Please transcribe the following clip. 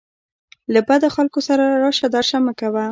له بدو خلکو سره راشه درشه مه کوه.